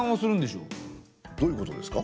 どういうことですか？